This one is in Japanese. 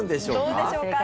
どうでしょうか。